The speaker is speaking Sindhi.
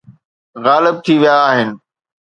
غائب ٿي ويا آهن